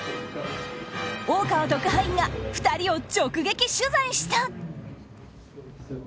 大川特派員が２人を直撃取材した。